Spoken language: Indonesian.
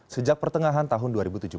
sejak pertengahan tahun dua ribu tujuh belas